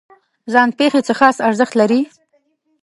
ځان پېښې څه خاص ارزښت لري؟